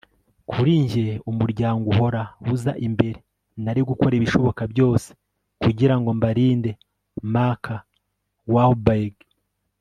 kuri njye, umuryango uhora uza imbere; nari gukora ibishoboka byose kugira ngo mbarinde. - mark wahlberg